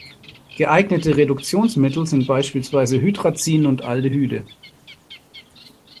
Geeignete Reduktionsmittel sind beispielsweise Hydrazin und Aldehyde.